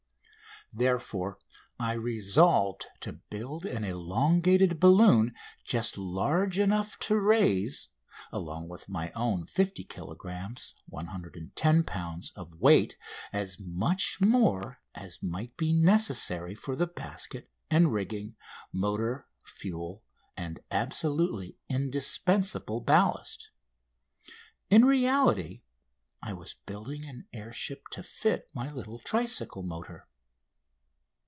Therefore I resolved to build an elongated balloon just large enough to raise, along with my own 50 kilogrammes (110 lbs.) of weight, as much more as might be necessary for the basket and rigging, motor, fuel, and absolutely indispensable ballast. In reality I was building an air ship to fit my little tricycle motor.